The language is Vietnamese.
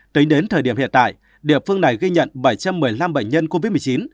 tính đến thời điểm hiện tại địa phương này ghi nhận bảy trăm một mươi năm bệnh nhân covid một mươi chín